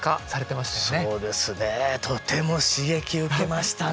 そうですねとても刺激受けましたね。